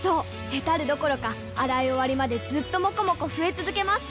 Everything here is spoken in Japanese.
ヘタるどころか洗い終わりまでずっともこもこ増え続けます！